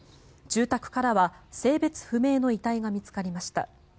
住宅からは性別不明の遺体が見つかりました。